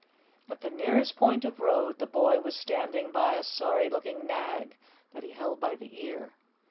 At the nearest point of road the boy was standing by a sorry looking nag that he held by the ear.